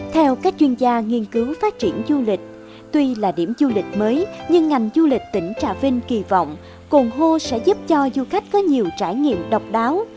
theo các chuyên gia nghiên cứu phát triển du lịch tuy là điểm du lịch mới nhưng ngành du lịch tỉnh trà vinh kỳ vọng cồn hô sẽ giúp cho du khách có nhiều trải nghiệm độc đáo